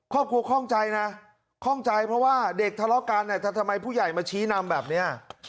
ครอบครัวข้องใจนะข้องใจเพราะว่าเด็กทะเลาะกันเนี่ยทำไมผู้ใหญ่มาชี้นำแบบเนี่ย